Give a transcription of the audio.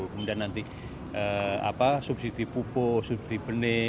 kemudian nanti subsidi pupuk subsidi benih